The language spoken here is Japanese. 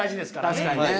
確かにね。